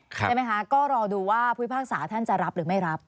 ใช่ไหมคะก็รอดูว่าภูมิภาคศาสตร์ท่านจะรับหรือไม่รับ